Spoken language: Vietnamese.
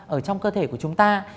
ở trong cơ thể của chúng ta